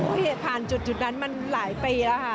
เหตุผ่านจุดนั้นมาหลายปีแล้วค่ะ